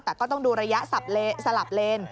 แต่ก็ต้องดูระยะสลับเลน